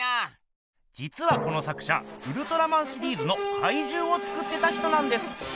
じつはこの作者ウルトラマンシリーズのかいじゅうを作ってた人なんです。